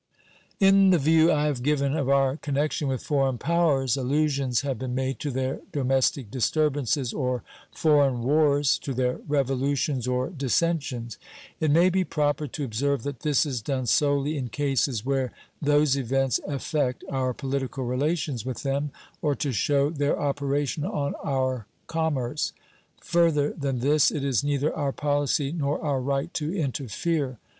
In the view I have given of our connection with foreign powers allusions have been made to their domestic disturbances or foreign wars, to their revolutions or dissensions. It may be proper to observe that this is done solely in cases where those events affect our political relations with them, or to show their operation on our commerce. Further than this it is neither our policy nor our right to interfere.